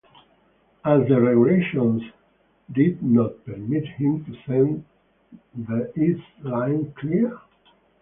As the Regulations did not permit him to send the Is Line Clear?